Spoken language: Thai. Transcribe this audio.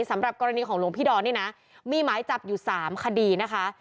สำหรับกรณีของหลวงพี่ดอนนี่นะมีหมายจับอยู่๓คดีนะคะ